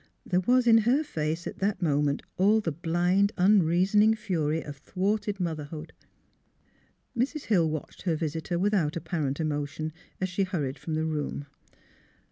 There was in her face at the moment all the blind, unreasoning fury of thwarted motherhood. Mrs. Hill watched her visitor without apparent emotion as she hurried from the room.